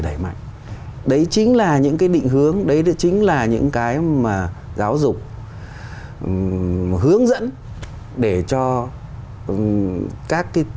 đẩy mạnh đấy chính là những cái định hướng đấy chính là những cái mà giáo dục hướng dẫn để cho các cái